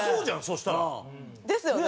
そしたら。ですよね。